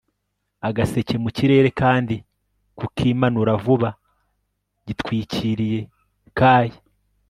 agaseke mu kirere kandi, kukimanura vuba, gitwikiriye kai